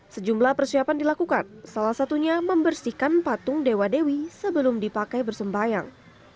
sejumlah persiapan dilakukan salah satunya membersihkan patung dewa dewi sebelum dipakai bersembayang